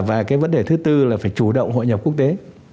và cái vấn đề thứ tư là phải chủ động hội nhập quốc tế